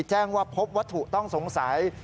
แจ้งว่าพบวัตถุต้องสงสัย